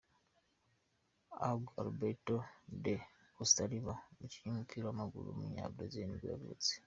Jorge Alberto da Costa Silva, umukinnyi w’umupira w’amaguru w’umunyabrazil nibwo yavutse.